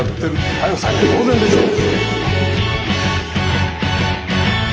逮捕されて当然でしょう。